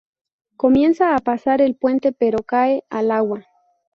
Comienza a pasar el puente pero cae al agua.